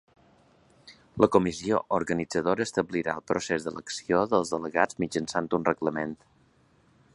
La comissió organitzadora establirà el procés d’elecció dels delegats mitjançant un reglament.